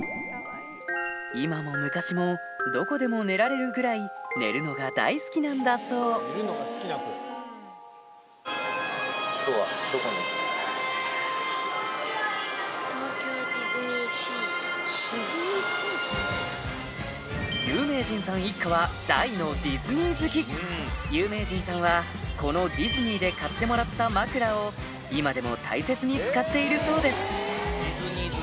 今も昔もどこでも寝られるぐらい寝るのが大好きなんだそう有名人さん一家は大のディズニー好き有名人さんはこのディズニーで買ってもらった枕を今でも大切に使っているそうです